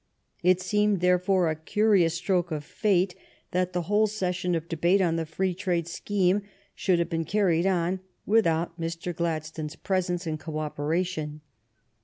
It seemed, therefore, a curious stroke of fate that the whole session of debate on the free trade scheme should have been carried on without Mr. Gladstone's presence and co operation.